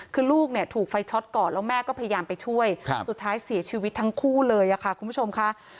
คือลูกเนี่ยถูกไฟช็อตก่อนแล้วแม่ก็พยายามไปช่วยสุดท้ายเสียชีวิตทั้งคู่เลยค่ะคุณผู้ชมค่ะ